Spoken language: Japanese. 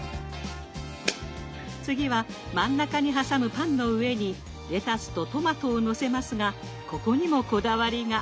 次は真ん中に挟むパンの上にレタスとトマトをのせますがここにもこだわりが！